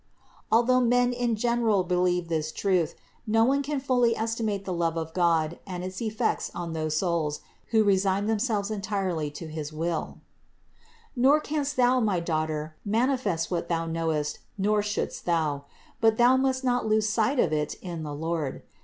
386. Yet although men in general believe this truth, no one can fully estimate the love of God and its effects on those souls who resign themselves entirely to his will. THE INCARNATION 311 Nor canst thou, my daughter, manifest what thou know est, nor shouldst thou ; but thou must not lose sight of it in the Lord.